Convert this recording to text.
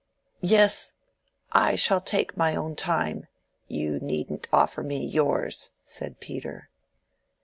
"Yes, I shall take my own time—you needn't offer me yours," said Peter.